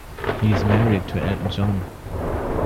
He is married to Elton John.